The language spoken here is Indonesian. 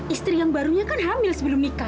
istri yang barunya kan hamil sebelum nikah